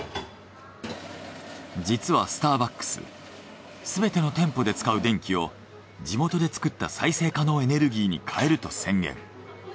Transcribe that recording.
実はスターバックスすべての店舗で使う電気を地元で作った再生可能エネルギーに替えると宣言。